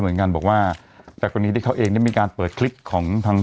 เหมือนกันบอกว่าแต่กรณีที่เขาเองได้มีการเปิดคลิปของทาง